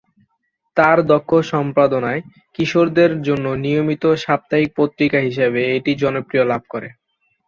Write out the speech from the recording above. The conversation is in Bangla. তার দক্ষ সম্পাদনায় কিশোরদের জন্য নিয়মিত সাপ্তাহিক পত্রিকা হিসাবে এটি জনপ্রিয়তা লাভ করে।